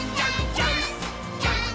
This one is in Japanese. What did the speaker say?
ジャンプ！！」